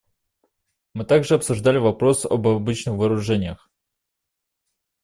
Мы также обсуждали вопрос об обычных вооружениях.